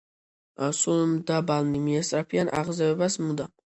სულმდაბალნი მიესწრაფიან აღზევებას მუდამ.